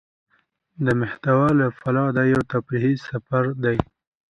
د محتوا له پلوه دا يو تفريحي سفر دى.